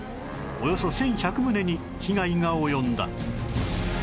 およそ１１００棟に被害が及んだ